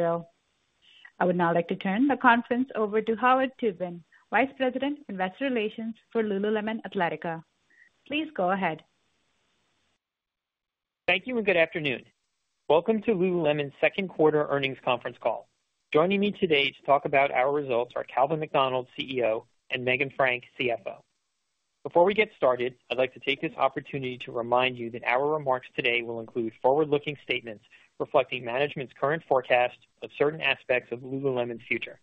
I would now like to turn the conference over to Howard Tubin, Vice President, Investor Relations for Lululemon Athletica. Please go ahead. Thank you and good afternoon. Welcome to Lululemon's Second Quarter Earnings Conference Call. Joining me today to talk about our results are Calvin McDonald, CEO, and Meghan Frank, CFO. Before we get started, I'd like to take this opportunity to remind you that our remarks today will include forward-looking statements reflecting management's current forecast of certain aspects of Lululemon's future.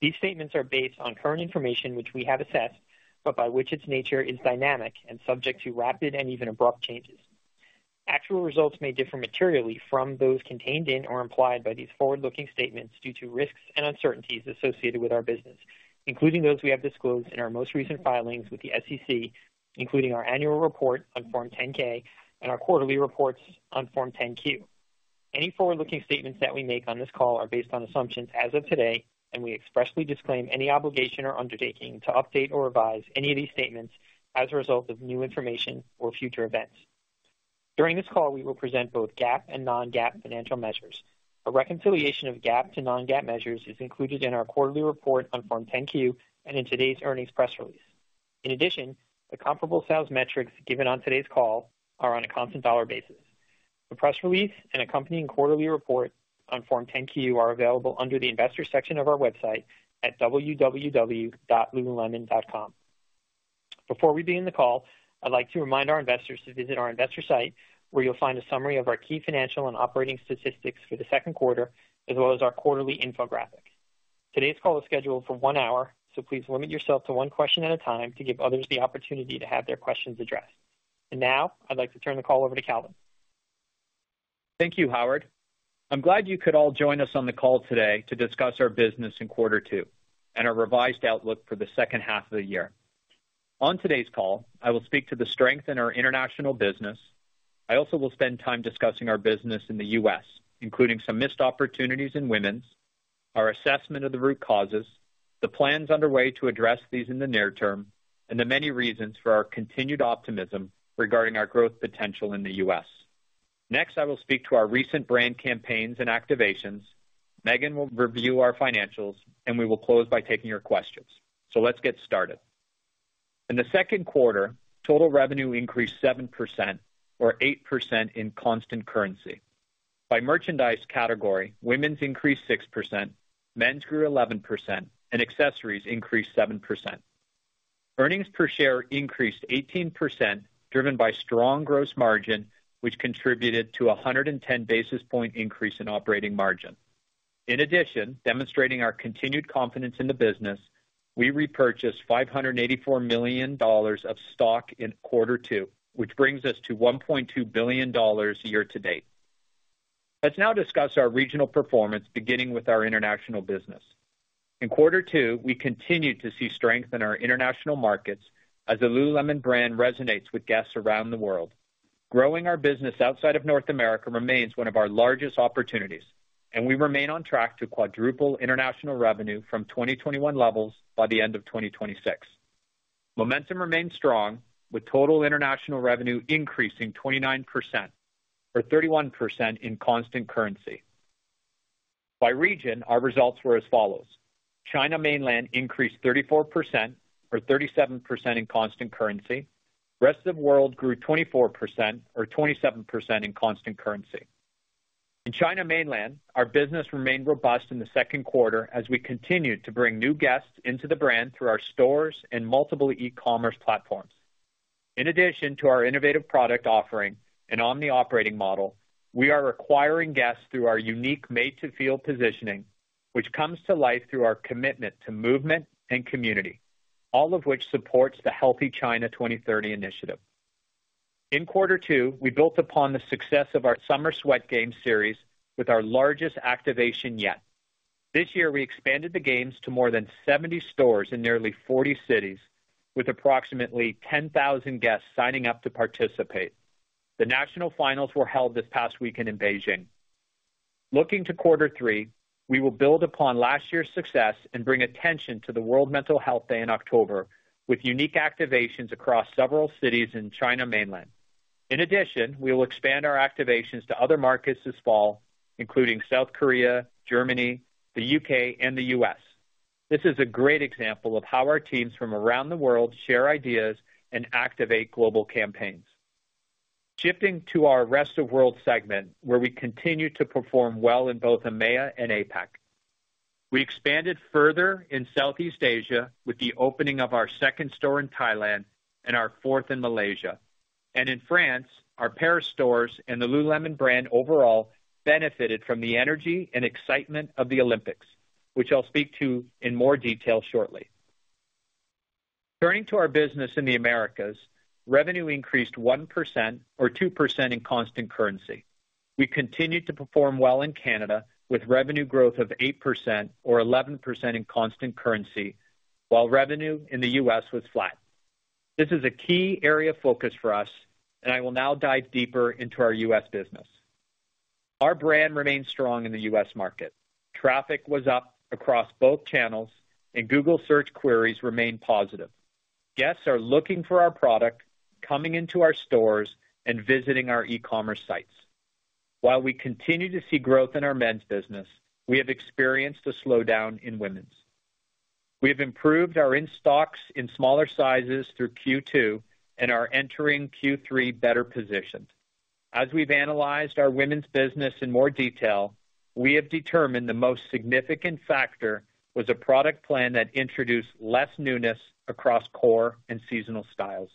These statements are based on current information, which we have assessed, but by its nature is dynamic and subject to rapid and even abrupt changes. Actual results may differ materially from those contained in or implied by these forward-looking statements due to risks and uncertainties associated with our business, including those we have disclosed in our most recent filings with the SEC, including our annual report on Form 10-K and our quarterly reports on Form 10-Q. Any forward-looking statements that we make on this call are based on assumptions as of today, and we expressly disclaim any obligation or undertaking to update or revise any of these statements as a result of new information or future events. During this call, we will present both GAAP and non-GAAP financial measures. A reconciliation of GAAP to non-GAAP measures is included in our quarterly report on Form 10-Q and in today's earnings press release. In addition, the comparable sales metrics given on today's call are on a constant dollar basis. The press release and accompanying quarterly report on Form 10-Q are available under the Investors section of our website at www.lululemon.com. Before we begin the call, I'd like to remind our investors to visit our investor site, where you'll find a summary of our key financial and operating statistics for the second quarter, as well as our quarterly infographic. Today's call is scheduled for one hour, so please limit yourself to one question at a time to give others the opportunity to have their questions addressed. And now, I'd like to turn the call over to Calvin. Thank you, Howard. I'm glad you could all join us on the call today to discuss our business in quarter two and our revised outlook for the second half of the year. On today's call, I will speak to the strength in our international business. I also will spend time discussing our business in the U.S., including some missed opportunities in women's, our assessment of the root causes, the plans underway to address these in the near term, and the many reasons for our continued optimism regarding our growth potential in the U.S. Next, I will speak to our recent brand campaigns and activations. Meghan will review our financials, and we will close by taking your questions. So let's get started. In the second quarter, total revenue increased 7% or 8% in constant currency. By merchandise category, Women's increased 6%, Men's grew 11%, and Accessories increased 7%. Earnings per share increased 18%, driven by strong gross margin, which contributed to a 110 basis point increase in operating margin. In addition, demonstrating our continued confidence in the business, we repurchased $584 million of stock in quarter two, which brings us to $1.2 billion year-to-date. Let's now discuss our regional performance, beginning with our international business. In quarter two, we continued to see strength in our international markets as the Lululemon brand resonates with guests around the world. Growing our business outside of North America remains one of our largest opportunities, and we remain on track to quadruple international revenue from 2021 levels by the end of 2026. Momentum remains strong, with total international revenue increasing 29% or 31% in constant currency. By region, our results were as follows: China Mainland increased 34% or 37% in constant currency. Rest of the World grew 24% or 27% in constant currency. In China Mainland, our business remained robust in the second quarter as we continued to bring new guests into the brand through our stores and multiple e-commerce platforms. In addition to our innovative product offering and omni operating model, we are acquiring guests through our unique Made to Feel positioning, which comes to life through our commitment to movement and community, all of which supports the Healthy China 2030 initiative. In quarter two, we built upon the success of our Summer Sweat Games series with our largest activation yet. This year, we expanded the games to more than 70 stores in nearly 40 cities, with approximately 10,000 guests signing up to participate. The national finals were held this past weekend in Beijing. Looking to quarter three, we will build upon last year's success and bring attention to the World Mental Health Day in October, with unique activations across several cities in China Mainland. In addition, we will expand our activations to other markets this fall, including South Korea, Germany, the U.K., and the U.S. This is a great example of how our teams from around the world share ideas and activate global campaigns. Shifting to our Rest of World segment, where we continue to perform well in both EMEA and APAC. We expanded further in Southeast Asia with the opening of our second store in Thailand and our fourth in Malaysia. In France, our Paris stores and the Lululemon brand overall benefited from the energy and excitement of the Olympics, which I'll speak to in more detail shortly. Turning to our business in the Americas, revenue increased 1% or 2% in constant currency. We continued to perform well in Canada, with revenue growth of 8% or 11% in constant currency, while revenue in the U.S. was flat. This is a key area of focus for us, and I will now dive deeper into our U.S. business. Our brand remains strong in the U.S. market. Traffic was up across both channels and Google search queries remained positive. Guests are looking for our product, coming into our stores, and visiting our e-commerce sites. While we continue to see growth in our men's business, we have experienced a slowdown in women's. We have improved our in-stocks in smaller sizes through Q2 and are entering Q3 better positioned. As we've analyzed our women's business in more detail, we have determined the most significant factor was a product plan that introduced less newness across core and seasonal styles.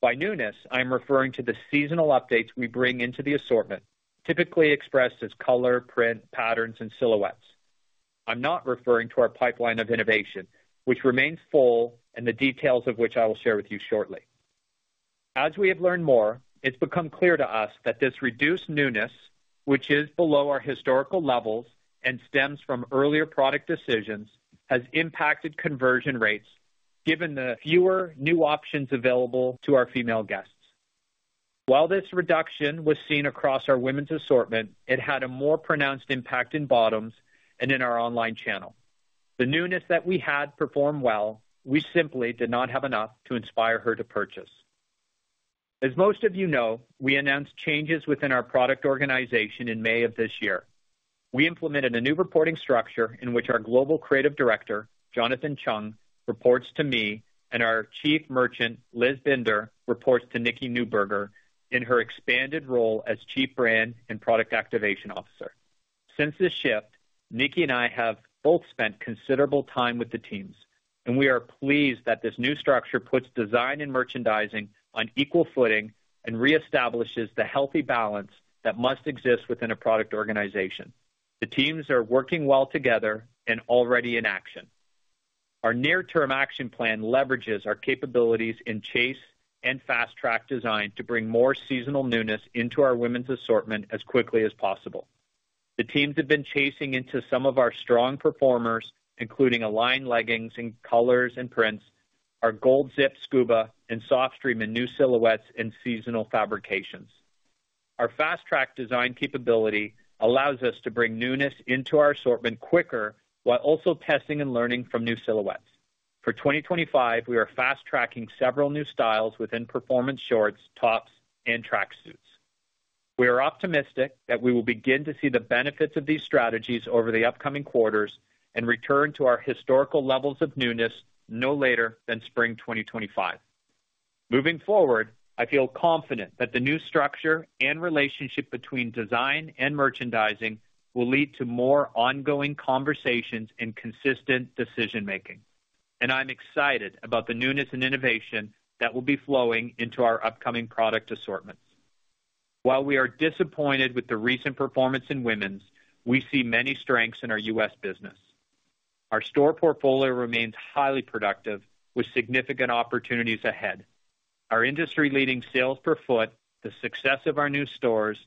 By newness, I'm referring to the seasonal updates we bring into the assortment, typically expressed as color, print, patterns, and silhouettes. I'm not referring to our pipeline of innovation, which remains full, and the details of which I will share with you shortly. As we have learned more, it's become clear to us that this reduced newness, which is below our historical levels and stems from earlier product decisions, has impacted conversion rates, given the fewer new options available to our female guests. While this reduction was seen across our women's assortment, it had a more pronounced impact in bottoms and in our online channel. The newness that we had performed well, we simply did not have enough to inspire her to purchase. As most of you know, we announced changes within our product organization in May of this year. We implemented a new reporting structure in which our Global Creative Director, Jonathan Cheung, reports to me, and our chief merchant, Liz Binder, reports to Nikki Neuberger in her expanded role as Chief Brand and Product Activation Officer. Since this shift, Nikki and I have both spent considerable time with the teams, and we are pleased that this new structure puts design and merchandising on equal footing and reestablishes the healthy balance that must exist within a product organization. The teams are working well together and already in action. Our near-term action plan leverages our capabilities in chase and fast-track design to bring more seasonal newness into our women's assortment as quickly as possible. The teams have been chasing into some of our strong performers, including Align leggings in colors and prints, our Gold Zip Scuba and Softstreme in new silhouettes and seasonal fabrications. Our fast-track design capability allows us to bring newness into our assortment quicker, while also testing and learning from new silhouettes. For 2025, we are fast-tracking several new styles within performance shorts, tops, and track suits. We are optimistic that we will begin to see the benefits of these strategies over the upcoming quarters and return to our historical levels of newness no later than spring 2025. Moving forward, I feel confident that the new structure and relationship between design and merchandising will lead to more ongoing conversations and consistent decision-making, and I'm excited about the newness and innovation that will be flowing into our upcoming product assortments. While we are disappointed with the recent performance in women's, we see many strengths in our U.S. business. Our store portfolio remains highly productive, with significant opportunities ahead. Our industry-leading sales per foot, the success of our new stores,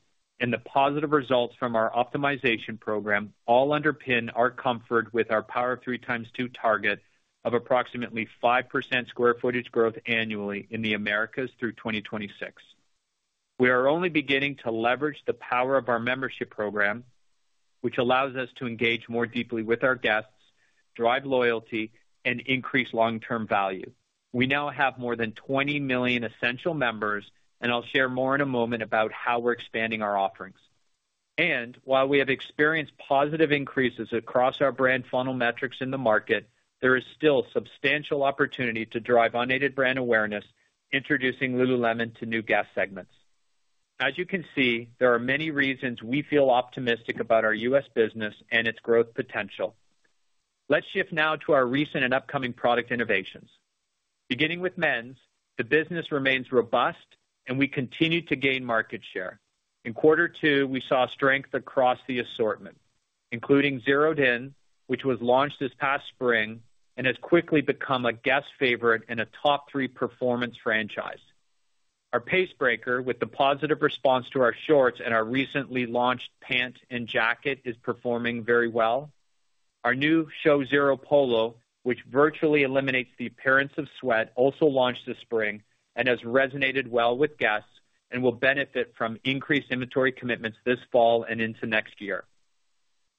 and the positive results from our optimization program all underpin our comfort with our Power of Three x2 target of approximately 5% square footage growth annually in the Americas through 2026. We are only beginning to leverage the power of our membership program, which allows us to engage more deeply with our guests, drive loyalty, and increase long-term value. We now have more than 20 million Essentials members, and I'll share more in a moment about how we're expanding our offerings. And while we have experienced positive increases across our brand funnel metrics in the market, there is still substantial opportunity to drive unaided brand awareness, introducing Lululemon to new guest segments. As you can see, there are many reasons we feel optimistic about our U.S. business and its growth potential. Let's shift now to our recent and upcoming product innovations. Beginning with men's, the business remains robust, and we continue to gain market share. In quarter two, we saw strength across the assortment, including Zeroed In, which was launched this past spring and has quickly become a guest favorite and a top three performance franchise. Our Pace Breaker, with the positive response to our shorts and our recently launched pant and jacket, is performing very well. Our new ShowZero polo, which virtually eliminates the appearance of sweat, also launched this spring and has resonated well with guests and will benefit from increased inventory commitments this fall and into next year.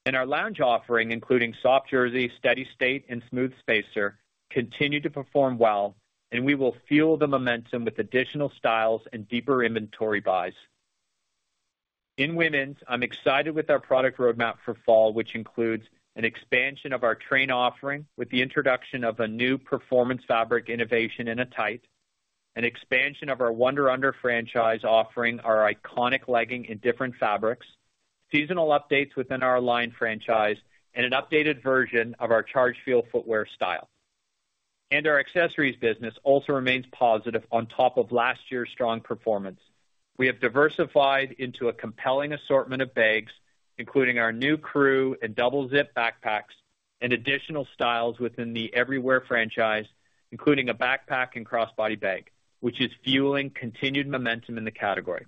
And our lounge offering, including Soft Jersey, Steady State, and Smooth Spacer, continue to perform well, and we will fuel the momentum with additional styles and deeper inventory buys. In women's, I'm excited with our product roadmap for fall, which includes an expansion of our train offering with the introduction of a new performance fabric innovation in tights, an expansion of our Wunder Under franchise, offering our iconic legging in different fabrics, seasonal updates within our Align franchise, and an updated version of our Chargefeel footwear style. And our accessories business also remains positive on top of last year's strong performance. We have diversified into a compelling assortment of bags, including our new Crew and Double Zip backpacks and additional styles within the Everywhere franchise, including a backpack and crossbody bag, which is fueling continued momentum in the category.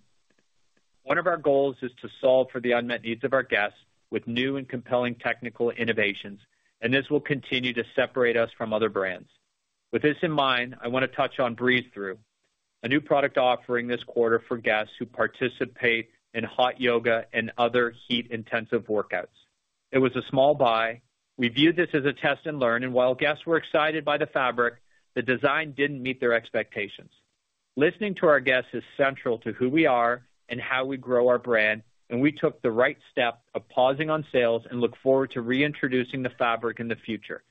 One of our goals is to solve for the unmet needs of our guests with new and compelling technical innovations, and this will continue to separate us from other brands. With this in mind, I want to touch on Breezethrough, a new product offering this quarter for guests who participate in hot yoga and other heat-intensive workouts. It was a small buy. We viewed this as a test and learn, and while guests were excited by the fabric, the design didn't meet their expectations. Listening to our guests is central to who we are and how we grow our brand, and we took the right step of pausing on sales and look forward to reintroducing the fabric in the future.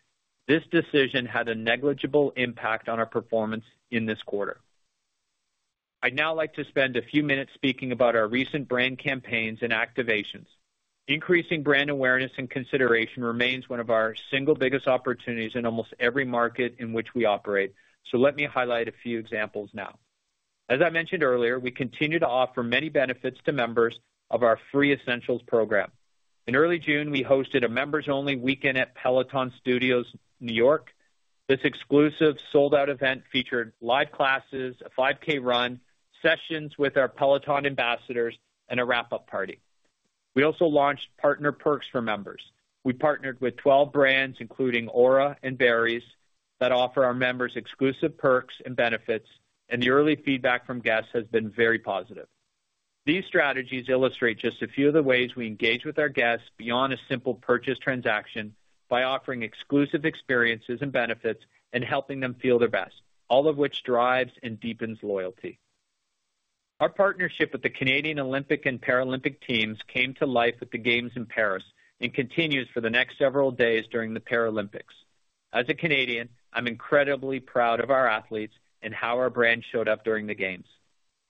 This decision had a negligible impact on our performance in this quarter. I'd now like to spend a few minutes speaking about our recent brand campaigns and activations. Increasing brand awareness and consideration remains one of our single biggest opportunities in almost every market in which we operate, so let me highlight a few examples now. As I mentioned earlier, we continue to offer many benefits to members of our free Essentials Program. In early June, we hosted a members-only weekend at Peloton Studios, New York. This exclusive, sold-out event featured live classes, a 5-K run, sessions with our Peloton ambassadors, and a wrap-up party. We also launched Partner Perks for members. We partnered with twelve brands, including Oura and Barry's, that offer our members exclusive perks and benefits, and the early feedback from guests has been very positive. These strategies illustrate just a few of the ways we engage with our guests beyond a simple purchase transaction by offering exclusive experiences and benefits and helping them feel their best, all of which drives and deepens loyalty. Our partnership with the Canadian Olympic and Paralympic teams came to life at the Games in Paris and continues for the next several days during the Paralympics. As a Canadian, I'm incredibly proud of our athletes and how our brand showed up during the games.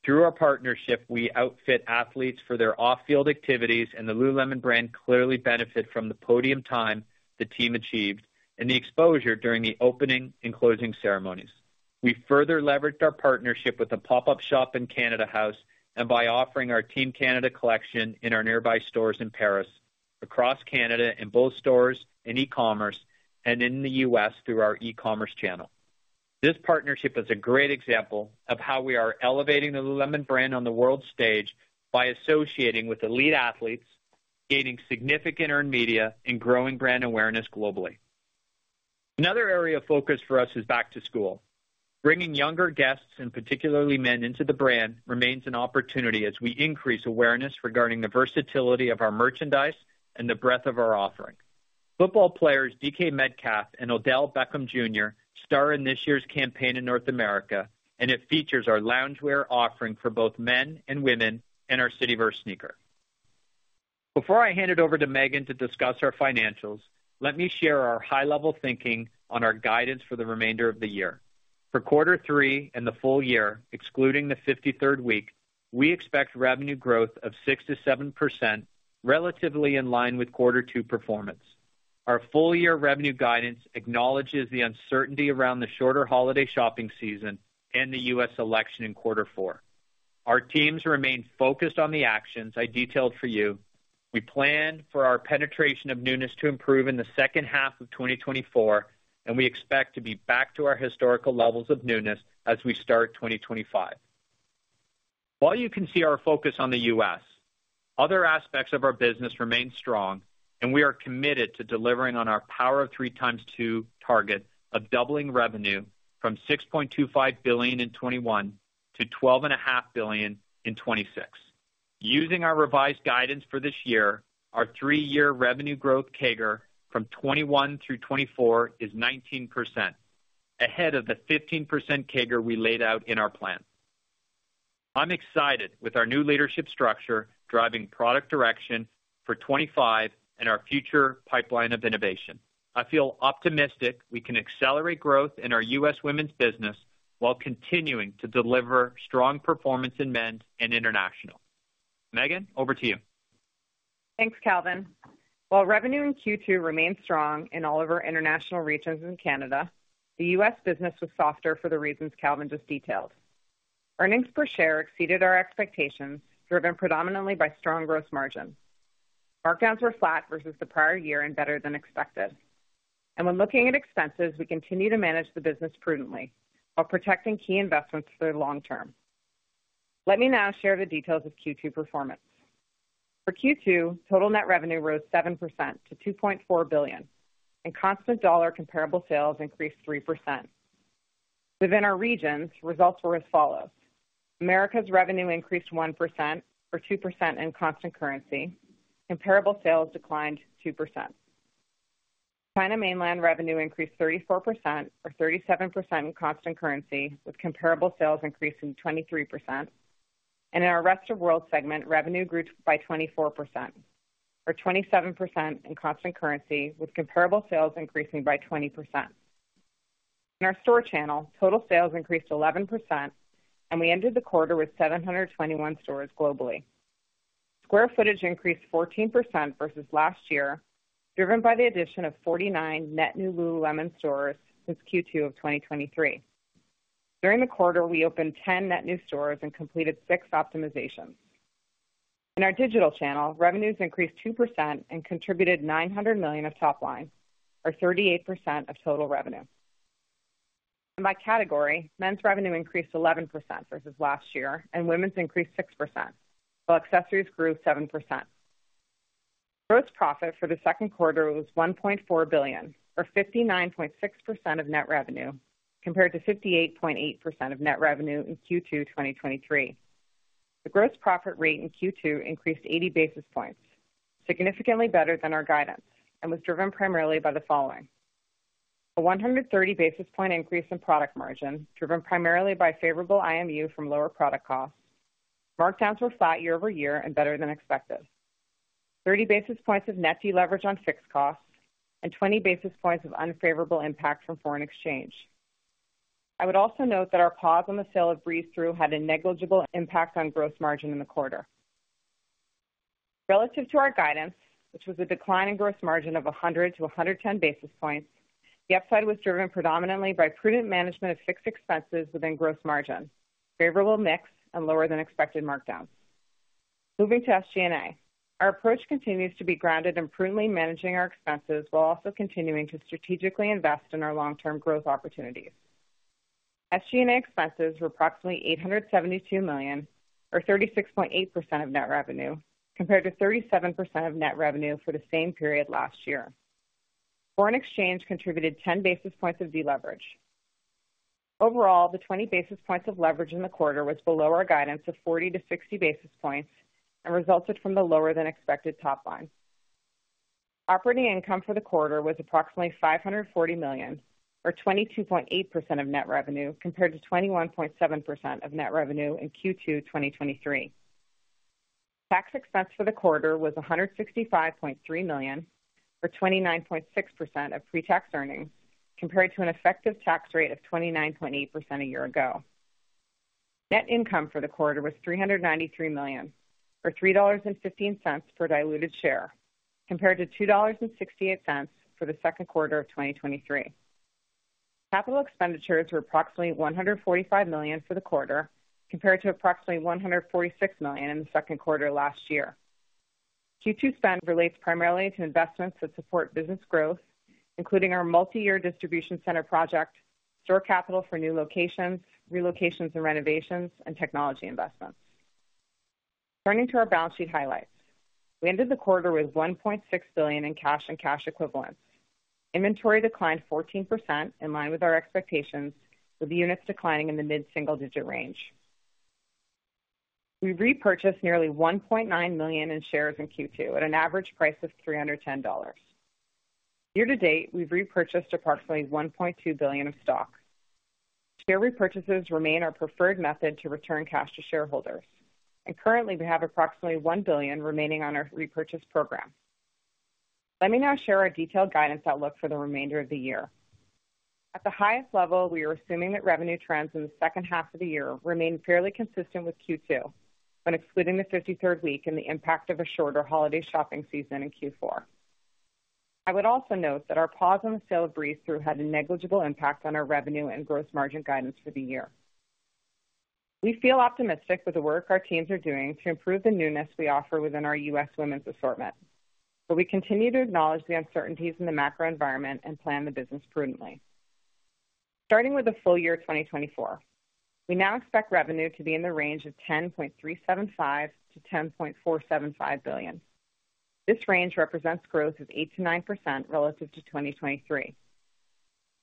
Through our partnership, we outfit athletes for their off-field activities, and the Lululemon brand clearly benefits from the podium time the team achieved and the exposure during the opening and closing ceremonies. We further leveraged our partnership with a pop-up shop in Canada House and by offering our Team Canada Collection in our nearby stores in Paris, across Canada, in both stores and e-commerce, and in the U.S. through our e-commerce channel. This partnership is a great example of how we are elevating the Lululemon brand on the world stage by associating with elite athletes, gaining significant earned media, and growing brand awareness globally. Another area of focus for us is back to school. Bringing younger guests, and particularly men, into the brand remains an opportunity as we increase awareness regarding the versatility of our merchandise and the breadth of our offering. Football players D.K. Metcalf and Odell Beckham Jr. star in this year's campaign in North America, and it features our loungewear offering for both men and women and our Cityverse sneaker. Before I hand it over to Meghan to discuss our financials, let me share our high-level thinking on our guidance for the remainder of the year. For quarter three and the full year, excluding the 53rd week, we expect revenue growth of 6%-7%, relatively in line with quarter two performance. Our full year revenue guidance acknowledges the uncertainty around the shorter holiday shopping season and the U.S. election in quarter four. Our teams remain focused on the actions I detailed for you. We plan for our penetration of newness to improve in the second half of 2024, and we expect to be back to our historical levels of newness as we start 2025. While you can see our focus on the U.S., other aspects of our business remain strong, and we are committed to delivering on our Power of Three x2 target of doubling revenue from $6.25 billion in 2021 to $12.5 billion in 2026. Using our revised guidance for this year, our three-year revenue growth CAGR from 2021 through 2024 is 19%, ahead of the 15% CAGR we laid out in our plan. I'm excited with our new leadership structure, driving product direction for 2025 and our future pipeline of innovation. I feel optimistic we can accelerate growth in our U.S. women's business while continuing to deliver strong performance in men's and international. Meghan, over to you. Thanks, Calvin. While revenue in Q2 remained strong in all of our international regions and Canada, the US business was softer for the reasons Calvin just detailed. Earnings per share exceeded our expectations, driven predominantly by strong gross margin. Markdowns were flat versus the prior year and better than expected. And when looking at expenses, we continue to manage the business prudently while protecting key investments for the long term. Let me now share the details of Q2 performance. For Q2, total net revenue rose 7% to $2.4 billion, and constant dollar comparable sales increased 3%. Within our regions, results were as follows: Americas revenue increased 1%, or 2% in constant currency. Comparable sales declined 2%. China Mainland revenue increased 34% or 37% in constant currency, with comparable sales increasing 23%. In our Rest of World segment, revenue grew by 24% or 27% in constant currency, with comparable sales increasing by 20%. In our store channel, total sales increased 11% and we ended the quarter with 721 stores globally. Square footage increased 14% versus last year, driven by the addition of 49 net new Lululemon stores since Q2 of 2023. During the quarter, we opened 10 net new stores and completed 6 optimizations. In our digital channel, revenues increased 2% and contributed $900 million of top line, or 38% of total revenue. In by category, men's revenue increased 11% versus last year, and women's increased 6%, while accessories grew 7%. Gross profit for the second quarter was $1.4 billion, or 59.6% of net revenue, compared to 58.8% of net revenue in Q2 2023. The gross profit rate in Q2 increased 80 basis points, significantly better than our guidance, and was driven primarily by the following: a 130 basis point increase in product margin, driven primarily by favorable IMU from lower product costs. Markdowns were flat year-over-year and better than expected. 30 basis points of net deleverage on fixed costs and 20 basis points of unfavorable impact from foreign exchange. I would also note that our pause on the sale of Breezethrough had a negligible impact on gross margin in the quarter. Relative to our guidance, which was a decline in gross margin of 100-110 basis points, the upside was driven predominantly by prudent management of fixed expenses within gross margin, favorable mix, and lower than expected markdowns. Moving to SG&A. Our approach continues to be grounded in prudently managing our expenses while also continuing to strategically invest in our long-term growth opportunities. SG&A expenses were approximately $872 million, or 36.8% of net revenue, compared to 37% of net revenue for the same period last year. Foreign exchange contributed 10 basis points of deleverage. Overall, the 20 basis points of leverage in the quarter was below our guidance of 40-60 basis points and resulted from the lower than expected top line. Operating income for the quarter was approximately $540 million, or 22.8% of net revenue, compared to 21.7% of net revenue in Q2 2023. Tax expense for the quarter was $165.3 million, or 29.6% of pre-tax earnings, compared to an effective tax rate of 29.8% a year ago. Net income for the quarter was $393 million, or $3.15 per diluted share, compared to $2.68 for the second quarter of 2023. Capital expenditures were approximately $145 million for the quarter, compared to approximately $146 million in the second quarter last year. Q2 spend relates primarily to investments that support business growth, including our multi-year distribution center project, store capital for new locations, relocations and renovations, and technology investments. Turning to our balance sheet highlights. We ended the quarter with $1.6 billion in cash and cash equivalents. Inventory declined 14%, in line with our expectations, with the units declining in the mid-single-digit range. We repurchased nearly 1.9 million shares in Q2 at an average price of $310. Year-to-date, we've repurchased approximately $1.2 billion of stock. Share repurchases remain our preferred method to return cash to shareholders, and currently, we have approximately $1 billion remaining on our repurchase program. Let me now share our detailed guidance outlook for the remainder of the year. At the highest level, we are assuming that revenue trends in the second half of the year remain fairly consistent with Q2, when excluding the 53rd week and the impact of a shorter holiday shopping season in Q4. I would also note that our pause on the sale of Breezethrough had a negligible impact on our revenue and gross margin guidance for the year. We feel optimistic with the work our teams are doing to improve the newness we offer within our U.S. women's assortment, but we continue to acknowledge the uncertainties in the macro environment and plan the business prudently. Starting with the full year, 2024, we now expect revenue to be in the range of $10.375-10.475 billion. This range represents growth of 8%-9% relative to 2023.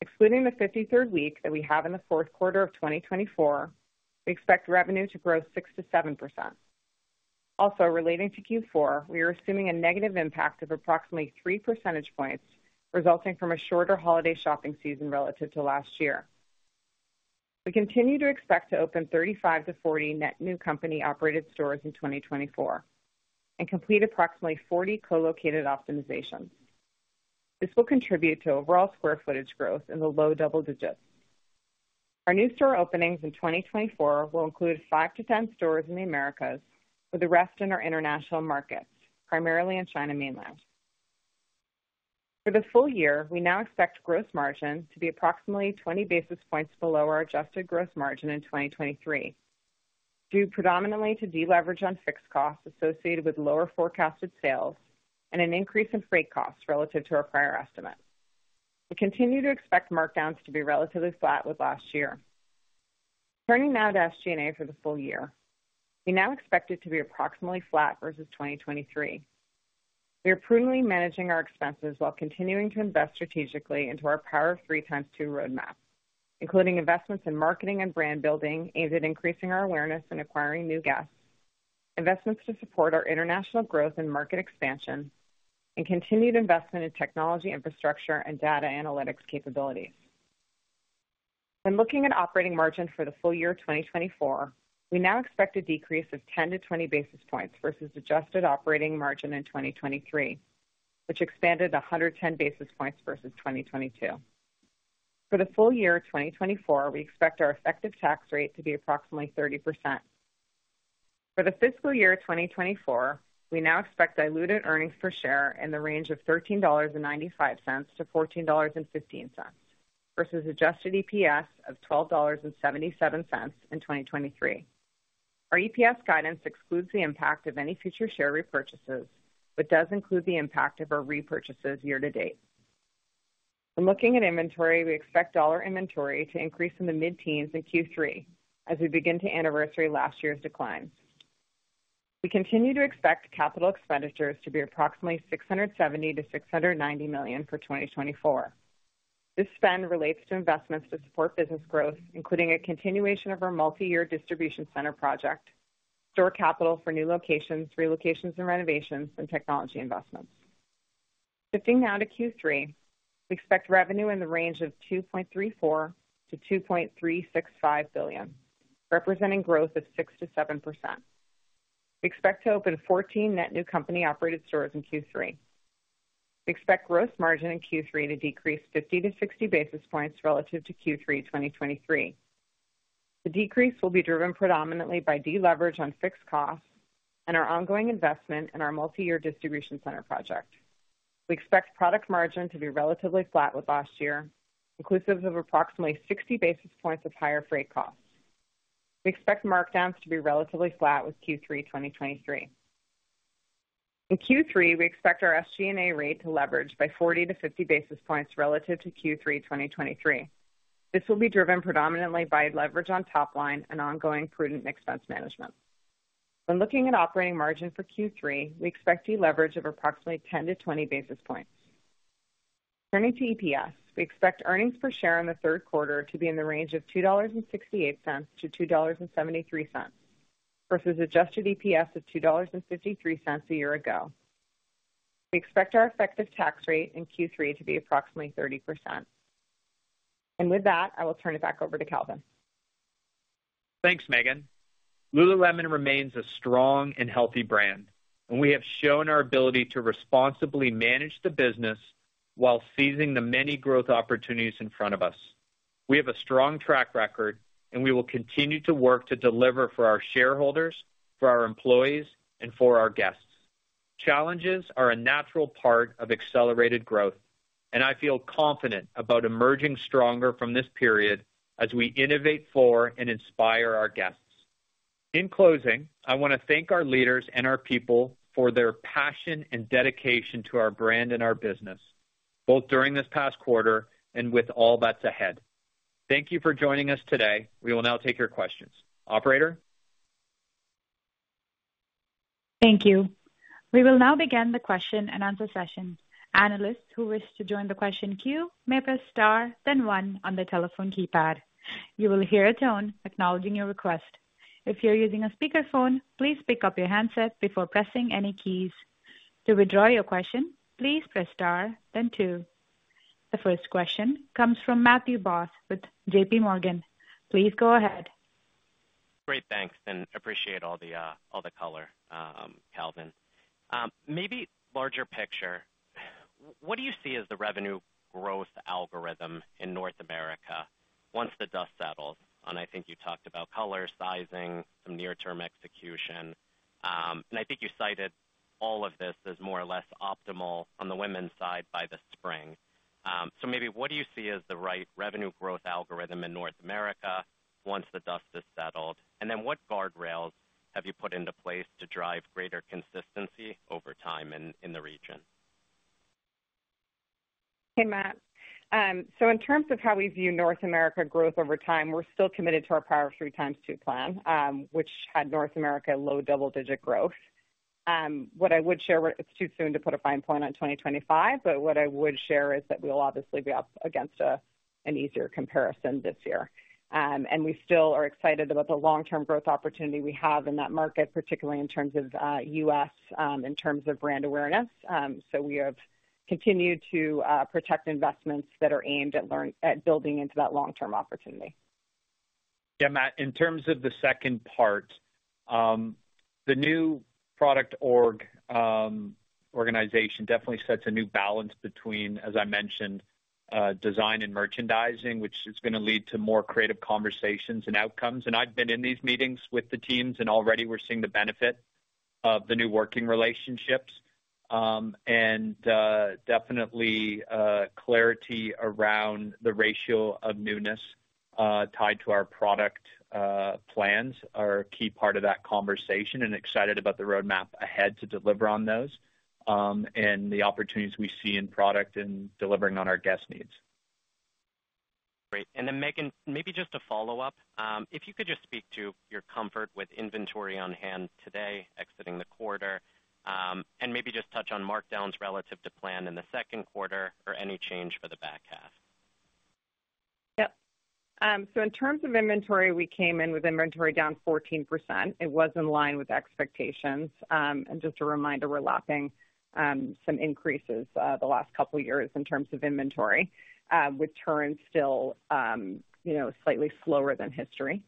Excluding the 53rd week that we have in the fourth quarter of 2024, we expect revenue to grow 6-7%. Also relating to Q4, we are assuming a negative impact of approximately three percentage points, resulting from a shorter holiday shopping season relative to last year. We continue to expect to open 35-40 net new company-operated stores in 2024 and complete approximately 40 co-located optimizations. This will contribute to overall square footage growth in the low double digits. Our new store openings in 2024 will include 5-10 stores in the Americas, with the rest in our international markets, primarily in China Mainland. For the full year, we now expect gross margin to be approximately 20 basis points below our adjusted gross margin in 2023, due predominantly to deleverage on fixed costs associated with lower forecasted sales and an increase in freight costs relative to our prior estimate. We continue to expect markdowns to be relatively flat with last year. Turning now to SG&A for the full year, we now expect it to be approximately flat versus 2023. We are prudently managing our expenses while continuing to invest strategically into our Power of Three x2 roadmap, including investments in marketing and brand building aimed at increasing our awareness and acquiring new guests, investments to support our international growth and market expansion, and continued investment in technology, infrastructure, and data analytics capabilities. When looking at operating margin for the full year 2024, we now expect a decrease of 10-20 basis points versus adjusted operating margin in 2023, which expanded 110 basis points versus 2022. For the full year 2024, we expect our effective tax rate to be approximately 30%. For the fiscal year 2024, we now expect diluted earnings per share in the range of $13.95-14.15, versus adjusted EPS of $12.77 in 2023. Our EPS guidance excludes the impact of any future share repurchases, but does include the impact of our repurchases year to date. When looking at inventory, we expect dollar inventory to increase in the mid-teens in Q3 as we begin to anniversary last year's decline. We continue to expect capital expenditures to be approximately $670-690 million for 2024. This spend relates to investments to support business growth, including a continuation of our multi-year distribution center project, store capital for new locations, relocations and renovations, and technology investments. Shifting now to Q3, we expect revenue in the range of $2.34-2.365 billion, representing growth of 6%-7%. We expect to open 14 net new company-operated stores in Q3. We expect gross margin in Q3 to decrease 50-60 basis points relative to Q3 2023. The decrease will be driven predominantly by deleverage on fixed costs and our ongoing investment in our multi-year distribution center project. We expect product margin to be relatively flat with last year, inclusive of approximately 60 basis points of higher freight costs. We expect markdowns to be relatively flat with Q3 2023. In Q3, we expect our SG&A rate to leverage by 40-50 basis points relative to Q3 2023. This will be driven predominantly by leverage on top line and ongoing prudent expense management. When looking at operating margin for Q3, we expect deleverage of approximately 10-20 basis points. Turning to EPS, we expect earnings per share in the third quarter to be in the range of $2.68-2.73 versus adjusted EPS of $2.53 a year ago. We expect our effective tax rate in Q3 to be approximately 30%, and with that, I will turn it back over to Calvin. Thanks, Meghan. Lululemon remains a strong and healthy brand, and we have shown our ability to responsibly manage the business while seizing the many growth opportunities in front of us. We have a strong track record, and we will continue to work to deliver for our shareholders, for our employees, and for our guests. Challenges are a natural part of accelerated growth, and I feel confident about emerging stronger from this period as we innovate for and inspire our guests. In closing, I want to thank our leaders and our people for their passion and dedication to our brand and our business, both during this past quarter and with all bets ahead. Thank you for joining us today. We will now take your questions. Operator? Thank you. We will now begin the question and answer session. Analysts who wish to join the question queue may press star, then one on their telephone keypad. You will hear a tone acknowledging your request. If you're using a speakerphone, please pick up your handset before pressing any keys. To withdraw your question, please press star then two. The first question comes from Matthew Boss with JPMorgan. Please go ahead. Great, thanks, and appreciate all the, all the color, Calvin. Maybe larger picture, what do you see as the revenue growth algorithm in North America once the dust settles? And I think you talked about color, sizing, some near-term execution, and I think you cited all of this as more or less optimal on the women's side by the spring. So maybe what do you see as the right revenue growth algorithm in North America once the dust is settled? And then what guardrails have you put into place to drive greater consistency over time in, in the region? Hey, Matt. So in terms of how we view North America growth over time, we're still committed to our Power of Three x2 plan, which had North America low double-digit growth. What I would share, it's too soon to put a fine point on 2025, but what I would share is that we'll obviously be up against an easier comparison this year. And we still are excited about the long-term growth opportunity we have in that market, particularly in terms of U.S., in terms of brand awareness. So we have continued to protect investments that are aimed at building into that long-term opportunity. Yeah, Matt, in terms of the second part, the new product org, organization definitely sets a new balance between, as I mentioned, design and merchandising, which is gonna lead to more creative conversations and outcomes. And I've been in these meetings with the teams, and already we're seeing the benefit of the new working relationships. And, definitely, clarity around the ratio of newness, tied to our product, plans are a key part of that conversation and excited about the roadmap ahead to deliver on those, and the opportunities we see in product and delivering on our guest needs. Great. And then, Meghan, maybe just a follow-up. If you could just speak to your comfort with inventory on hand today exiting the quarter, and maybe just touch on markdowns relative to plan in the second quarter or any change for the back half? Yep. So in terms of inventory, we came in with inventory down 14%. It was in line with expectations. And just a reminder, we're lapping some increases the last couple of years in terms of inventory with turns still, you know, slightly slower than history.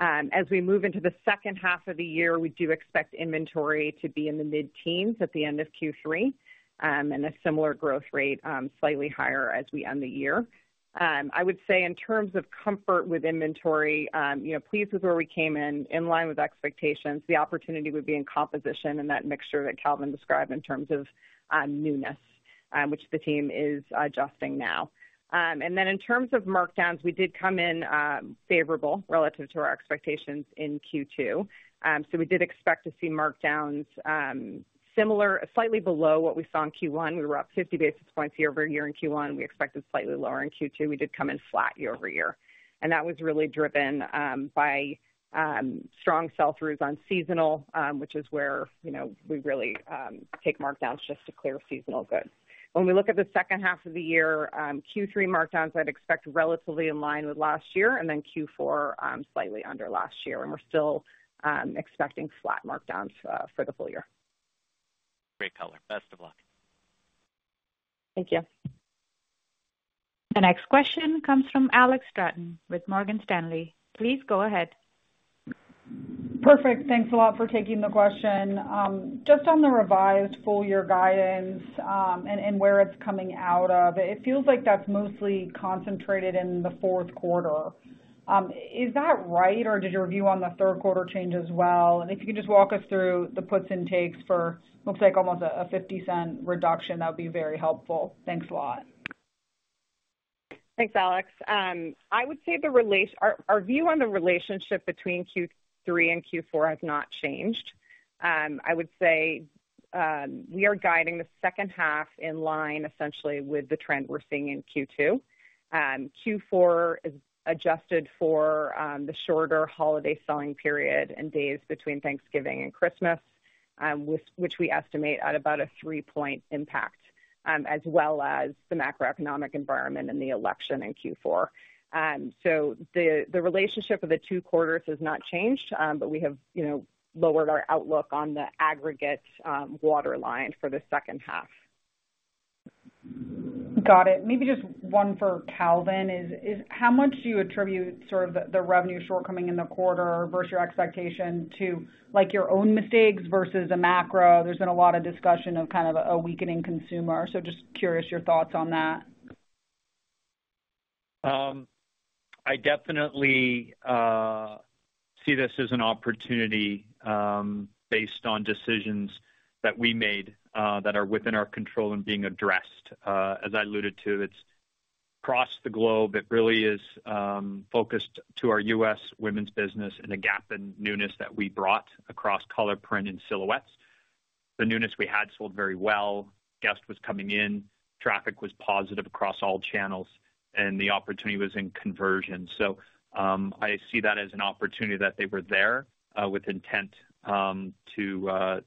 As we move into the second half of the year, we do expect inventory to be in the mid-teens at the end of Q3 and a similar growth rate, slightly higher as we end the year. I would say in terms of comfort with inventory, you know, pleased with where we came in, in line with expectations. The opportunity would be in composition and that mixture that Calvin described in terms of newness, which the team is adjusting now. And then in terms of markdowns, we did come in, favorable relative to our expectations in Q2. So we did expect to see markdowns, similar, slightly below what we saw in Q1. We were up 50 basis points year-over-year in Q1. We expected slightly lower in Q2. We did come in flat year-over-year, and that was really driven, by, strong sell-throughs on seasonal, which is where, you know, we really, take markdowns just to clear seasonal goods. When we look at the second half of the year, Q3 markdowns, I'd expect relatively in line with last year, and then Q4, slightly under last year, and we're still, expecting flat markdowns, for the full year. Great color. Best of luck! Thank you. The next question comes from Alex Straton with Morgan Stanley. Please go ahead. Perfect. Thanks a lot for taking the question. Just on the revised full year guidance, and where it's coming out of, it feels like that's mostly concentrated in the fourth quarter. Is that right, or did your view on the third quarter change as well? And if you could just walk us through the puts and takes for looks like almost a $0.50 reduction, that would be very helpful. Thanks a lot. Thanks, Alex. I would say our view on the relationship between Q3 and Q4 has not changed. I would say we are guiding the second half in line, essentially with the trend we're seeing in Q2. Q4 is adjusted for the shorter holiday selling period and days between Thanksgiving and Christmas, which we estimate at about a three-point impact, as well as the macroeconomic environment and the election in Q4. So the relationship of the two quarters has not changed, but we have, you know, lowered our outlook on the aggregate water line for the second half. Got it. Maybe just one for Calvin is how much do you attribute sort of the revenue shortcoming in the quarter versus your expectation to, like, your own mistakes versus the macro? There's been a lot of discussion of kind of a weakening consumer, so just curious your thoughts on that. I definitely see this as an opportunity based on decisions that we made that are within our control and being addressed. As I alluded to, it's across the globe. It really is focused to our U.S. women's business and the gap in newness that we brought across color, print, and silhouettes. The newness we had sold very well, guests were coming in, traffic was positive across all channels, and the opportunity was in conversion. I see that as an opportunity that they were there with intent to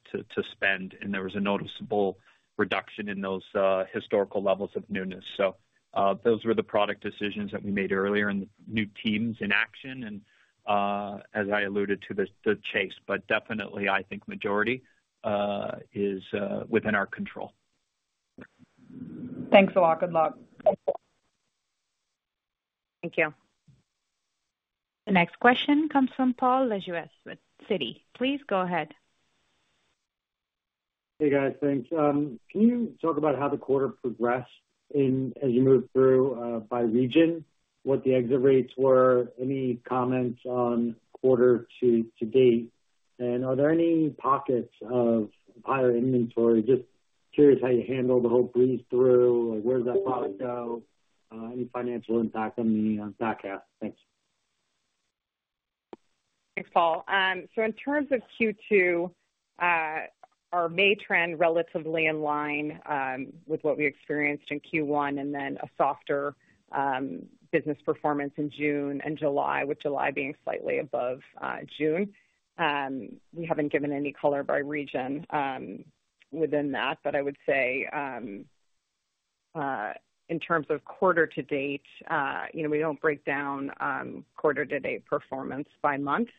spend, and there was a noticeable reduction in those historical levels of newness. Those were the product decisions that we made earlier and the new innovations in action, and, as I alluded to, the rest, but definitely I think majority is within our control. Thanks a lot. Good luck. Thank you. The next question comes from Paul Lejuez with Citi. Please go ahead. Hey, guys, thanks. Can you talk about how the quarter progressed as you moved through by region, what the exit rates were? Any comments on quarter to date, and are there any pockets of higher inventory? Just curious how you handle the whole Breezethrough, like, where does that product go? Any financial impact on the forecast? Thanks. Thanks, Paul. So in terms of Q2, our May trend relatively in line with what we experienced in Q1, and then a softer business performance in June and July, with July being slightly above June. We haven't given any color by region within that, but I would say in terms of quarter-to-date, you know, we don't break down quarter-to-date performance by month.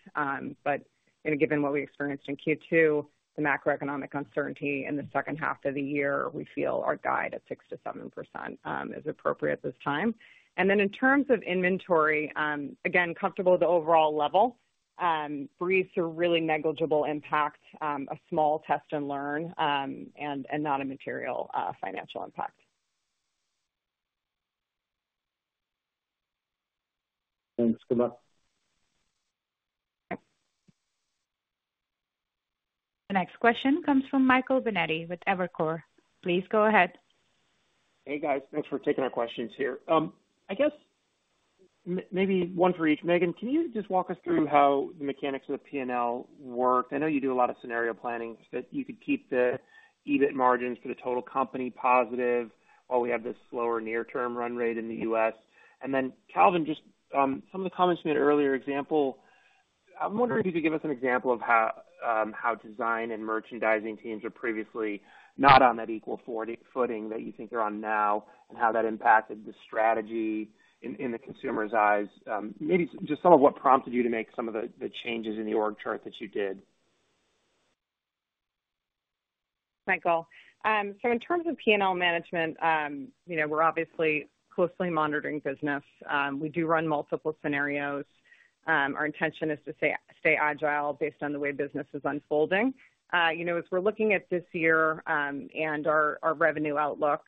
But you know, given what we experienced in Q2, the macroeconomic uncertainty in the second half of the year, we feel our guide at 6%-7% is appropriate at this time. And then in terms of inventory, again, comfortable with the overall level. Breezethrough really negligible impact, a small test and learn, and not a material financial impact. Thanks. Good luck. The next question comes from Michael Binetti with Evercore. Please go ahead. Hey, guys. Thanks for taking our questions here. I guess maybe one for each. Meghan, can you just walk us through how the mechanics of the P&L work? I know you do a lot of scenario planning, so that you could keep the EBIT margins for the total company positive while we have this slower near-term run rate in the U.S. And then, Calvin, just, some of the comments made earlier, for example. I'm wondering if you could give us an example of how design and merchandising teams are previously not on that equal footing that you think they're on now, and how that impacted the strategy in the consumer's eyes. Maybe just some of what prompted you to make some of the changes in the org chart that you did. Michael, so in terms of P&L management, you know, we're obviously closely monitoring business. We do run multiple scenarios. Our intention is to stay agile based on the way business is unfolding. You know, as we're looking at this year, and our revenue outlook,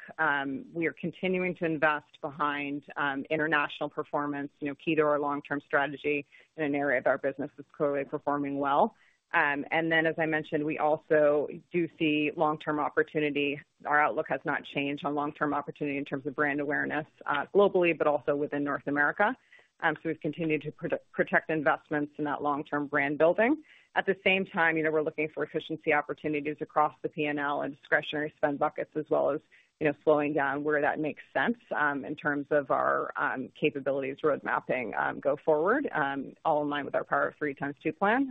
we are continuing to invest behind international performance. You know, key to our long-term strategy in an area of our business is clearly performing well. And then, as I mentioned, we also do see long-term opportunity. Our outlook has not changed on long-term opportunity in terms of brand awareness, globally, but also within North America. So we've continued to protect investments in that long-term brand building. At the same time, you know, we're looking for efficiency opportunities across the P&L and discretionary spend buckets, as well as, you know, slowing down where that makes sense, in terms of our capabilities, road mapping, go forward, all in line with our Power of Three x2 plan.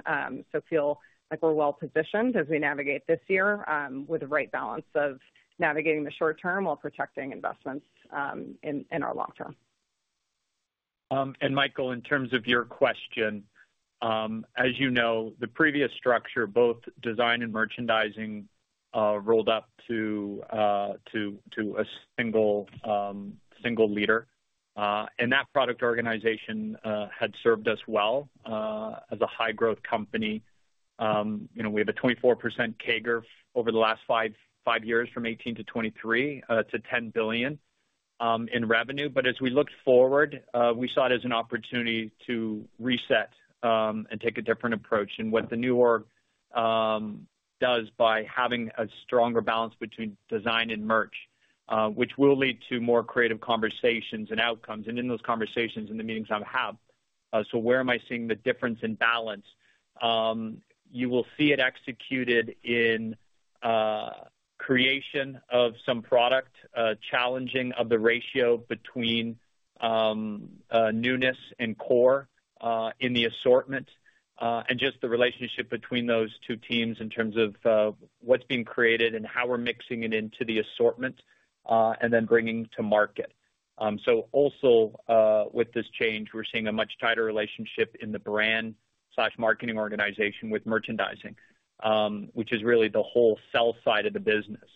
So feel like we're well positioned as we navigate this year, with the right balance of navigating the short term while protecting investments in our long term. And Michael, in terms of your question, as you know, the previous structure, both design and merchandising, rolled up to a single leader. And that product organization had served us well as a high growth company. You know, we have a 24% CAGR over the last five years, from 2018 to 2023, to $10 billion in revenue. But as we looked forward, we saw it as an opportunity to reset and take a different approach. And what the new org does by having a stronger balance between design and merch, which will lead to more creative conversations and outcomes, and in those conversations, in the meetings I've had. So where am I seeing the difference in balance? You will see it executed in creation of some product, challenging of the ratio between newness and core in the assortment, and just the relationship between those two teams in terms of what's being created and how we're mixing it into the assortment, and then bringing to market, so also with this change, we're seeing a much tighter relationship in the brand/marketing organization with merchandising, which is really the whole sell-side of the business,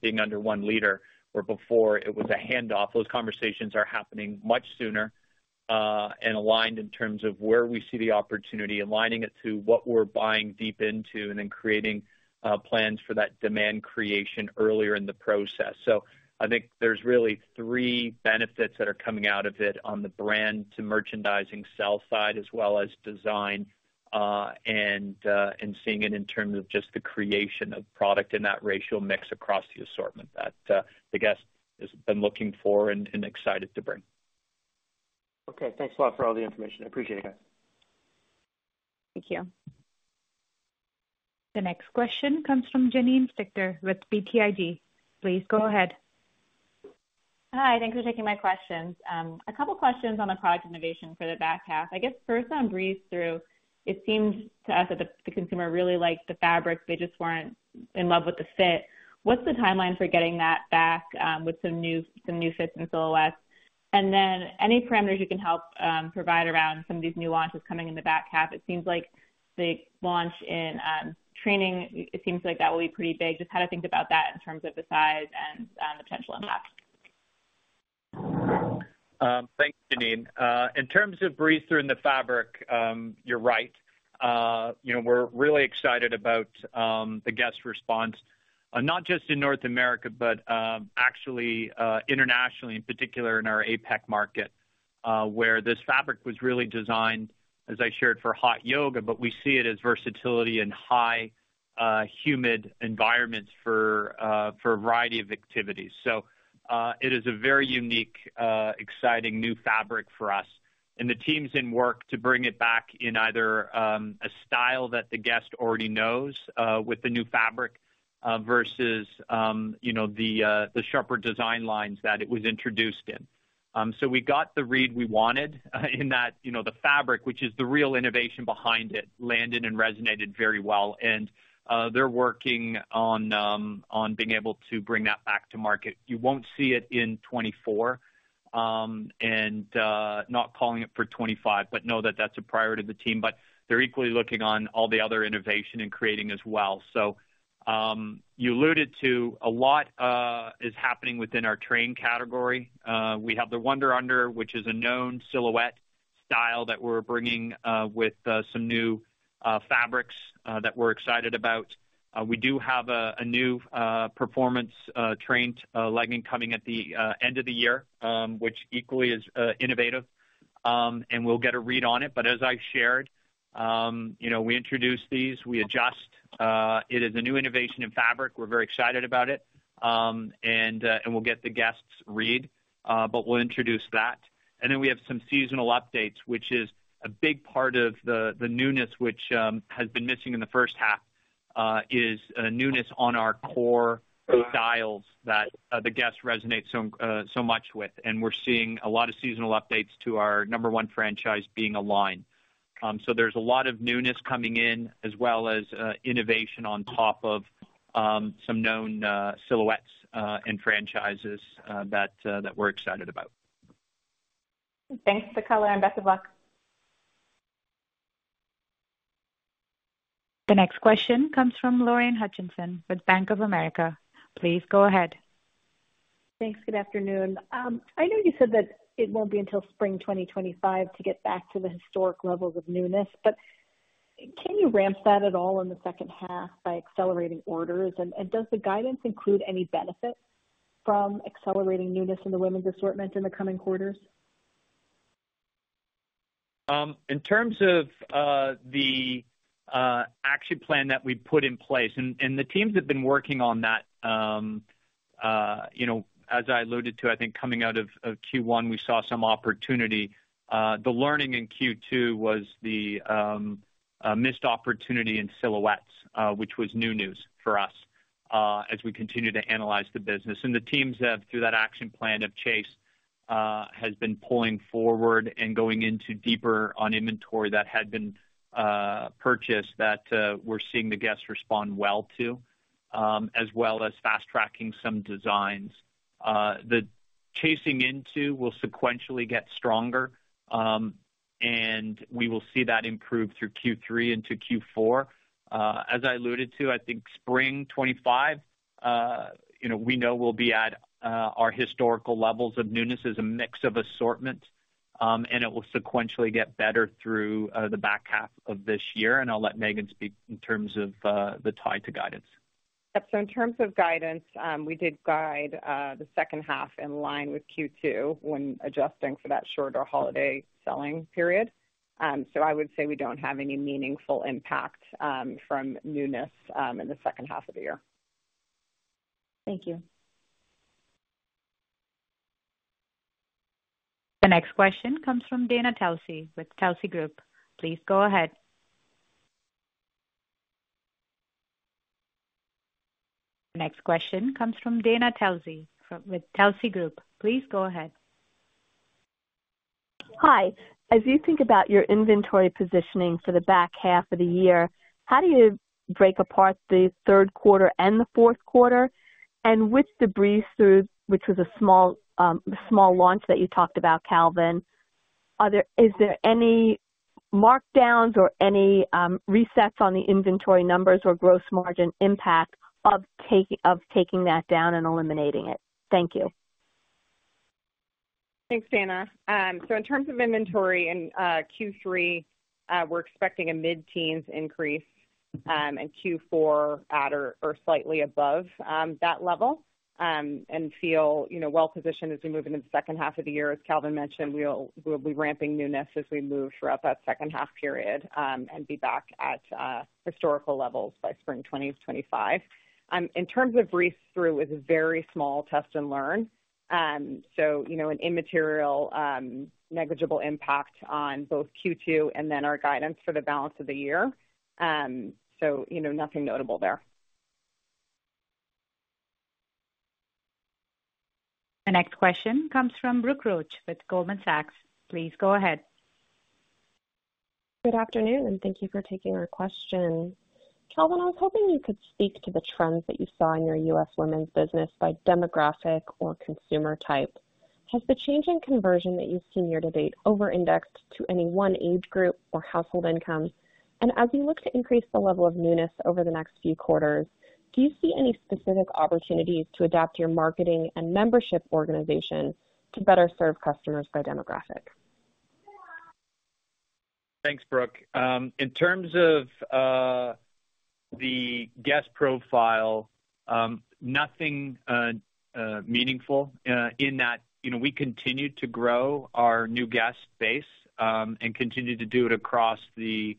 being under one leader, where before it was a handoff. Those conversations are happening much sooner, and aligned in terms of where we see the opportunity, aligning it to what we're buying deep into, and then creating plans for that demand creation earlier in the process. So, I think there's really three benefits that are coming out of it on the brand to merchandising sell-side, as well as design, and seeing it in terms of just the creation of product and that ratio mix across the assortment that the guest has been looking for and excited to bring. Okay, thanks a lot for all the information. I appreciate it. Thank you. The next question comes from Janine Stichter with BTIG. Please go ahead. Hi, thanks for taking my questions. A couple questions on the product innovation for the back half. I guess first on Breezethrough, it seems to us that the consumer really liked the fabrics. They just weren't in love with the fit. What's the timeline for getting that back with some new fits and silhouettes? And then any parameters you can help provide around some of these new launches coming in the back half? It seems like the launch in training, it seems like that will be pretty big. Just how to think about that in terms of the size and the potential impact. Thanks, Janine. In terms of Breezethrough and the fabric, you're right. You know, we're really excited about the guest response, not just in North America, but actually internationally, in particular in our APAC market, where this fabric was really designed, as I shared, for hot yoga, but we see it as versatility in high humid environments for a variety of activities. So, it is a very unique, exciting new fabric for us, and the team is working to bring it back in either a style that the guest already knows with the new fabric versus, you know, the sharper design lines that it was introduced in. So we got the read we wanted, in that, you know, the fabric, which is the real innovation behind it, landed and resonated very well, and they're working on being able to bring that back to market. You won't see it in 2024, and not calling it for 2025, but know that that's a priority to the team, but they're equally looking on all the other innovation and creating as well. So you alluded to a lot is happening within our train category. We have the Wunder Under, which is a known silhouette style that we're bringing with some new fabrics that we're excited about. We do have a new performance trained legging coming at the end of the year, which equally is innovative, and we'll get a read on it. But as I've shared, you know, we introduce these, we adjust. It is a new innovation in fabric. We're very excited about it. And we'll get the guest read, but we'll introduce that. And then we have some seasonal updates, which is a big part of the newness, which has been missing in the first half, is a newness on our core styles that the guests resonate so much with. And we're seeing a lot of seasonal updates to our number one franchise, Align. So there's a lot of newness coming in, as well as innovation on top of some known silhouettes and franchises that we're excited about. Thanks for the color, and best of luck. The next question comes from Lorraine Hutchinson with Bank of America. Please go ahead. Thanks. Good afternoon. I know you said that it won't be until spring 2025 to get back to the historic levels of newness, but can you ramp that at all in the second half by accelerating orders? And does the guidance include any benefit from accelerating newness in the women's assortment in the coming quarters? In terms of the action plan that we put in place, and the teams have been working on that, you know, as I alluded to, I think coming out of Q1, we saw some opportunity. The learning in Q2 was the missed opportunity in silhouettes, which was new news for us, as we continue to analyze the business. And the teams have, through that action plan, have chased, has been pulling forward and going into deeper on inventory that had been purchased, that we're seeing the guests respond well to, as well as fast-tracking some designs. The chasing into will sequentially get stronger, and we will see that improve through Q3 into Q4. As I alluded to, I think spring 2025, you know, we know we'll be at our historical levels of newness as a mix of assortment, and it will sequentially get better through the back half of this year. And I'll let Meghan speak in terms of the tie to guidance. In terms of guidance, we did guide the second half in line with Q2 when adjusting for that shorter holiday selling period. I would say we don't have any meaningful impact from newness in the second half of the year. Thank you. The next question comes from Dana Telsey with Telsey Group. Please go ahead. Hi. As you think about your inventory positioning for the back half of the year, how do you break apart the third quarter and the fourth quarter? And with the Breezethrough, which was a small launch that you talked about, Calvin, is there any markdowns or any resets on the inventory numbers or gross margin impact of taking that down and eliminating it? Thank you. Thanks, Dana. So in terms of inventory in Q3, we're expecting a mid-teens increase in Q4 at or slightly above that level and feel you know well positioned as we move into the second half of the year. As Calvin mentioned, we'll be ramping newness as we move throughout that second half period and be back at historical levels by spring 2025. In terms of Breezethrough, it's a very small test and learn, so you know an immaterial negligible impact on both Q2 and then our guidance for the balance of the year, so you know nothing notable there. The next question comes from Brooke Roach with Goldman Sachs. Please go ahead. Good afternoon, thank you for taking our question. Calvin, I was hoping you could speak to the trends that you saw in your U.S. women's business by demographic or consumer type. Has the change in conversion that you've seen year-to-date over-indexed to any one age group or household incomes? And as you look to increase the level of newness over the next few quarters, do you see any specific opportunities to adapt your marketing and membership organization to better serve customers by demographic? Thanks, Brooke. In terms of the guest profile, nothing meaningful in that. You know, we continued to grow our new guest base, and continued to do it across the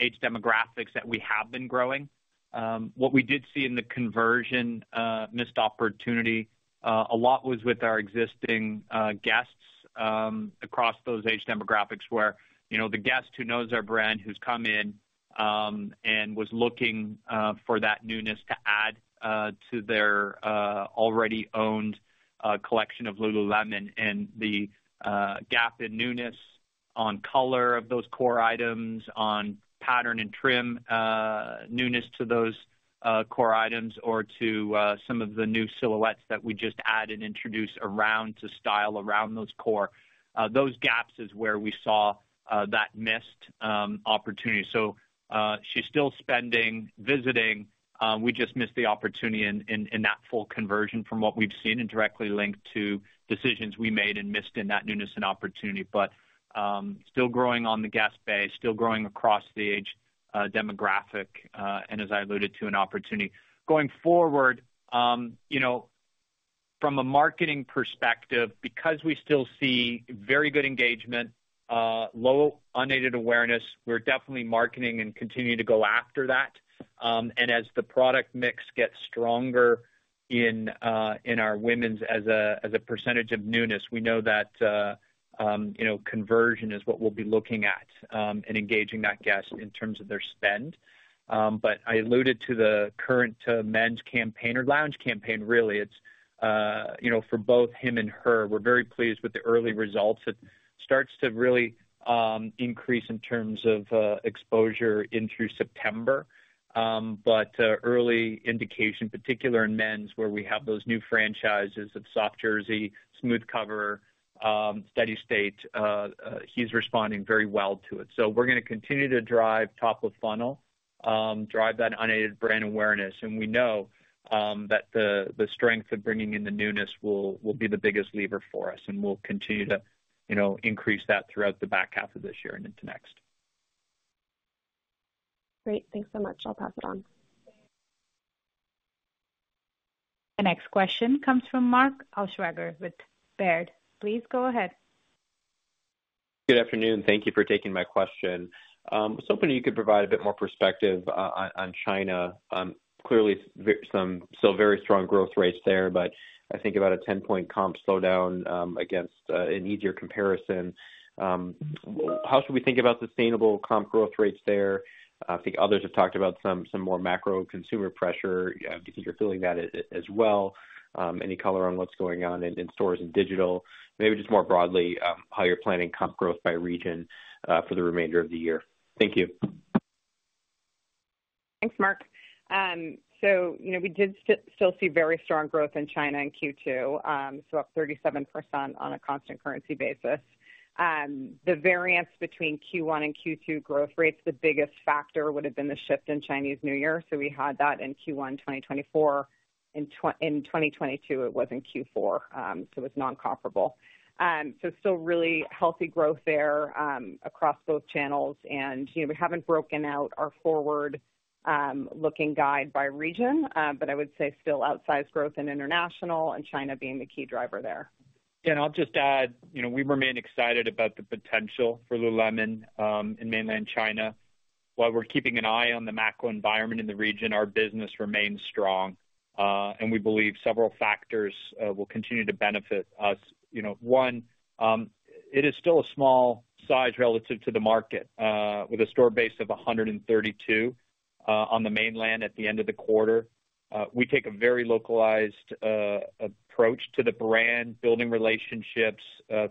age demographics that we have been growing. What we did see in the conversion missed opportunity, a lot was with our existing guests across those age demographics, where, you know, the guest who knows our brand, who's come in, and was looking for that newness to add to their already owned collection of Lululemon. The gap in newness on color of those core items, on pattern and trim, newness to those core items or to some of the new silhouettes that we just added and introduced around to style around those core, those gaps is where we saw that missed opportunity. She's still spending, visiting. We just missed the opportunity in that full conversion from what we've seen and directly linked to decisions we made and missed in that newness and opportunity. Still growing on the guest base, still growing across the age demographic, and as I alluded to, an opportunity. Going forward, you know, from a marketing perspective, because we still see very good engagement, low unaided awareness, we're definitely marketing and continue to go after that. And as the product mix gets stronger in our women's as a percentage of newness, we know that, you know, conversion is what we'll be looking at, and engaging that guest in terms of their spend. But I alluded to the current men's campaign or lounge campaign, really. It's, you know, for both him and her, we're very pleased with the early results. It starts to really increase in terms of exposure in through September. But early indication, particularly in men's, where we have those new franchises of Soft Jersey, Smooth Spacer, Steady State, he's responding very well to it. So we're gonna continue to drive top of funnel, drive that unaided brand awareness. And we know that the strength of bringing in the newness will be the biggest lever for us, and we'll continue to, you know, increase that throughout the back half of this year and into next. Great. Thanks so much. I'll pass it on. The next question comes from Mark Altschwager with Baird. Please go ahead. Good afternoon. Thank you for taking my question. I was hoping you could provide a bit more perspective on China. Clearly, some still very strong growth rates there, but I think about a 10-point comp slowdown against an easier comparison. How should we think about sustainable comp growth rates there? I think others have talked about some more macro consumer pressure. Do you think you're feeling that as well? Any color on what's going on in stores and digital? Maybe just more broadly, how you're planning comp growth by region for the remainder of the year. Thank you. Thanks, Mark. So, you know, we did still see very strong growth in China in Q2, so up 37% on a constant currency basis. The variance between Q1 and Q2 growth rates, the biggest factor would have been the shift in Chinese New Year. So we had that in Q1, 2024. In 2022, it was in Q4, so it's non-comparable. So still really healthy growth there, across both channels. And, you know, we haven't broken out our forward-looking guide by region, but I would say still outsized growth in international, and China being the key driver there. And I'll just add, you know, we remain excited about the potential for Lululemon in mainland China. While we're keeping an eye on the macro environment in the region, our business remains strong, and we believe several factors will continue to benefit us. You know, one, it is still a small size relative to the market with a store base of 132 on the mainland at the end of the quarter. We take a very localized approach to the brand, building relationships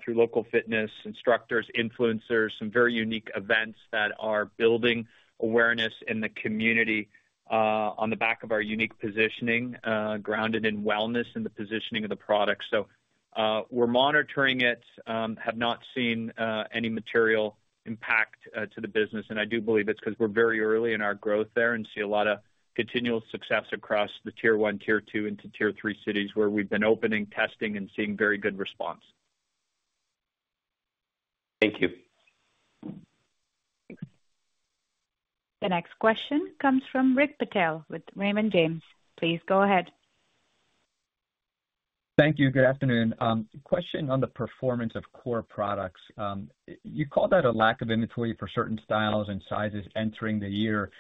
through local fitness instructors, influencers, some very unique events that are building awareness in the community on the back of our unique positioning grounded in wellness and the positioning of the product. So, we're monitoring it, have not seen any material impact to the business. And I do believe it's because we're very early in our growth there and see a lot of continual success across the Tier 1, Tier 2, and Tier 3 cities, where we've been opening, testing, and seeing very good response. Thank you. The next question comes from Rick Patel with Raymond James. Please go ahead. Thank you. Good afternoon. Question on the performance of core products. You called out a lack of inventory for certain styles and sizes entering the year.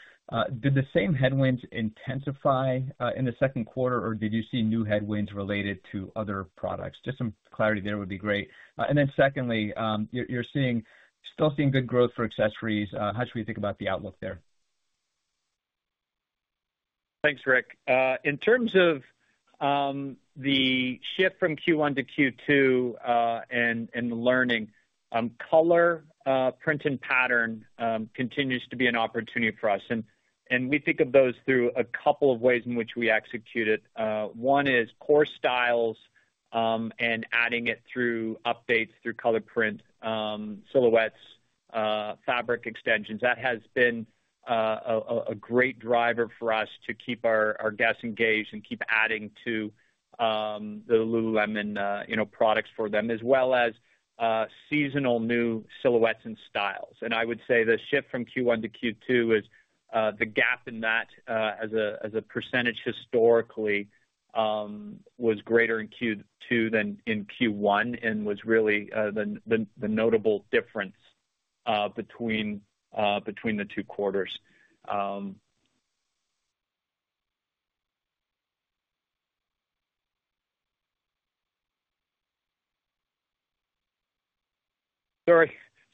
Did the same headwinds intensify in the second quarter, or did you see new headwinds related to other products? Just some clarity there would be great, and then secondly, you're still seeing good growth for accessories. How should we think about the outlook there? Thanks, Rick. In terms of the shift from Q1 to Q2, and the learning, color, print, and pattern continues to be an opportunity for us, and we think of those through a couple of ways in which we execute it. One is core styles, and adding it through updates, through color print, silhouettes, fabric extensions. That has been a great driver for us to keep our guests engaged and keep adding to the Lululemon, you know, products for them, as well as seasonal new silhouettes and styles. And I would say the shift from Q1 to Q2 is the gap in that as a percentage historically was greater in Q2 than in Q1, and was really the notable difference between the two quarters. Sorry.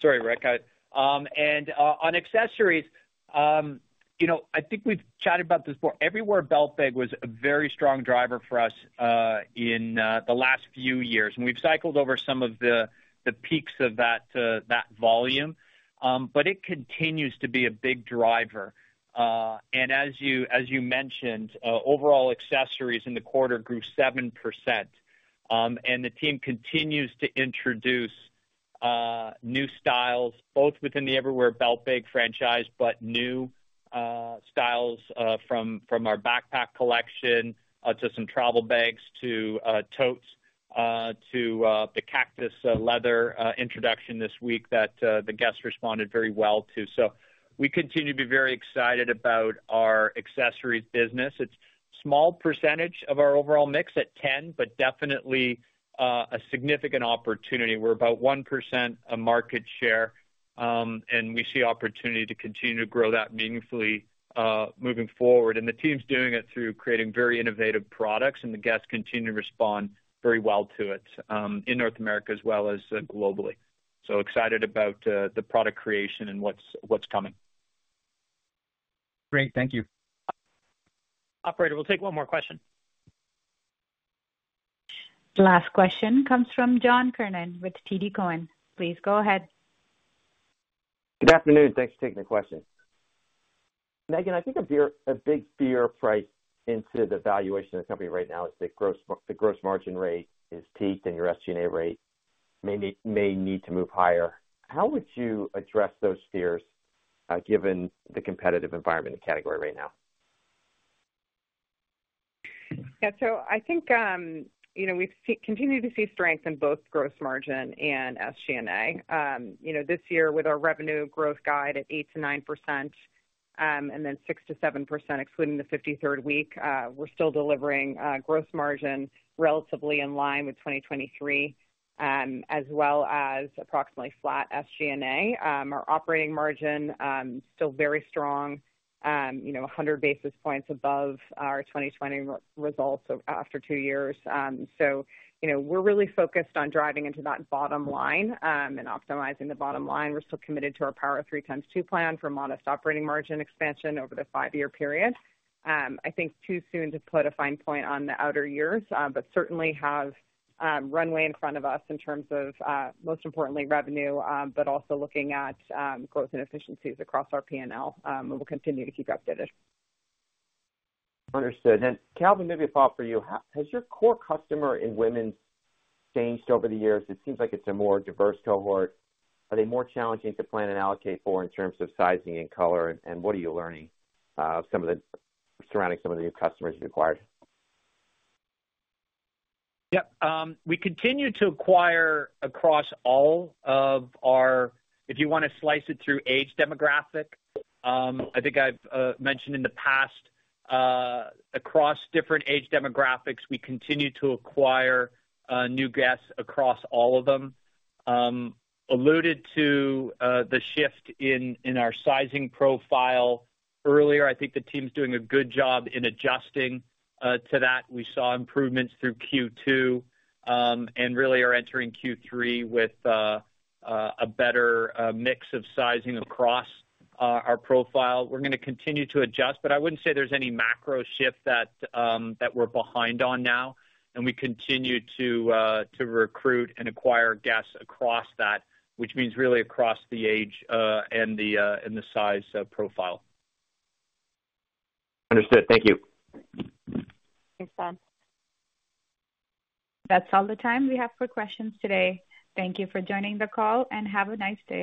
Sorry, Rick, and on accessories, you know, I think we've chatted about this before. Everywhere Belt Bag was a very strong driver for us in the last few years, and we've cycled over some of the peaks of that volume. But it continues to be a big driver. And as you mentioned, overall accessories in the quarter grew 7%. And the team continues to introduce new styles, both within the Everywhere Belt Bag franchise, but new styles from our backpack collection to some travel bags, to totes, to the cactus leather introduction this week that the guests responded very well to. So we continue to be very excited about our accessories business. It's small percentage of our overall mix at 10%, but definitely a significant opportunity. We're about 1% of market share, and we see opportunity to continue to grow that meaningfully moving forward. And the team's doing it through creating very innovative products, and the guests continue to respond very well to it in North America as well as globally. So excited about the product creation and what's coming. Great. Thank you. Operator, we'll take one more question. The last question comes from John Kernan with TD Cowen. Please go ahead. Good afternoon. Thanks for taking the question. Meghan, I think a big fear priced into the valuation of the company right now is the gross margin rate is peaked and your SG&A rate may need to move higher. How would you address those fears, given the competitive environment and category right now? Yeah, so I think, you know, we've continued to see strength in both gross margin and SG&A. You know, this year, with our revenue growth guide at 8%-9%, and then 6%-7%, excluding the 53rd week, we're still delivering gross margin relatively in line with 2023, as well as approximately flat SG&A. Our operating margin still very strong, you know, 100 basis points above our 2020 results after two years. So, you know, we're really focused on driving into that bottom line, and optimizing the bottom line. We're still committed to our Power of Three x2 plan for modest operating margin expansion over the five-year period. I think too soon to put a fine point on the outer years, but certainly have runway in front of us in terms of, most importantly, revenue, but also looking at growth and efficiencies across our P&L, and we'll continue to keep you updated. Understood. And Calvin, maybe a thought for you. Has your core customer in women's changed over the years? It seems like it's a more diverse cohort. Are they more challenging to plan and allocate for in terms of sizing and color, and what are you learning some of the surrounding some of the new customers you've acquired? Yep. We continue to acquire across all of our. If you want to slice it through age demographic, I think I've mentioned in the past, across different age demographics, we continue to acquire new guests across all of them. Alluded to the shift in our sizing profile earlier. I think the team's doing a good job in adjusting to that. We saw improvements through Q2, and really are entering Q3 with a better mix of sizing across our profile. We're gonna continue to adjust, but I wouldn't say there's any macro shift that we're behind on now, and we continue to recruit and acquire guests across that, which means really across the age and the size profile. Understood. Thank you. Thanks, John. That's all the time we have for questions today. Thank you for joining the call, and have a nice day.